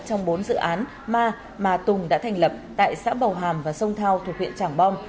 trong bốn dự án ma mà tùng đã thành lập tại xã bầu hàm và sông thao thuộc huyện trảng bom